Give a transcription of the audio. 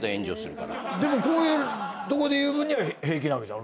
でもこういうとこで言う分には平気なわけじゃん？